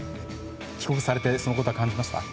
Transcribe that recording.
帰国されてそのことは感じました？